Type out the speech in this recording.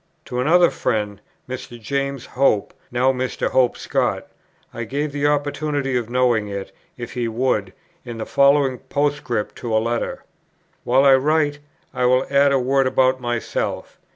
To another friend, Mr. James Hope, now Mr. Hope Scott, I gave the opportunity of knowing it, if he would, in the following Postscript to a letter: "While I write, I will add a word about myself.